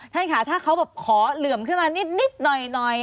ท่านค่ะถ้าเขาแบบขอเหลื่อมขึ้นมานิดหน่อย